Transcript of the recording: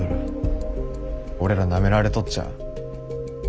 俺らなめられとっちゃ。